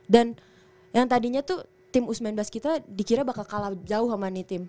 dan yang tadinya tuh tim u sembilan belas kita dikira bakal kalah jauh sama nity